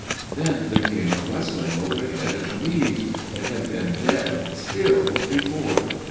" Then there came a rustling overhead in the leaves ; it had been dead still before.